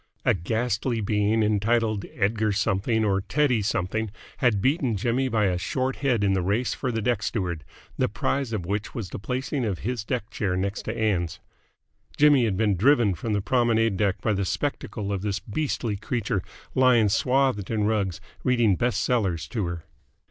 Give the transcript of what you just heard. A ghastly being entitled Edgar Something or Teddy Something had beaten Jimmy by a short head in the race for the deck steward, the prize of which was the placing of his deck chair next to Ann's. Jimmy had been driven from the promenade deck by the spectacle of this beastly creature lying swathed in rugs reading best sellers to her.